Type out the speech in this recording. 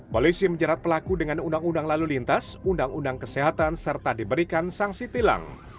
polisi menjerat pelaku dengan undang undang lalu lintas undang undang kesehatan serta diberikan sanksi tilang